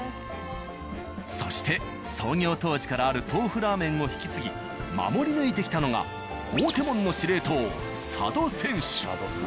そして創業当時からある豆腐ラーメンを引き継ぎ守り抜いてきたのが「大手門」の司令塔・佐渡選手。